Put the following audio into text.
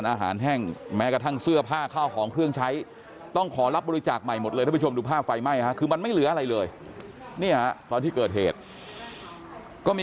นี่ฮะคือลูกสาวหอมผู้ตายบอกไม่เหลืออะไรแล้วจริงนะครับ